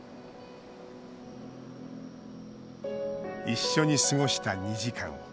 一緒に過ごした２時間。